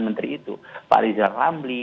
menteri itu pak rizal ramli